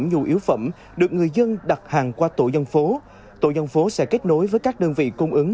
nhu yếu phẩm được người dân đặt hàng qua tổ dân phố tổ dân phố sẽ kết nối với các đơn vị cung ứng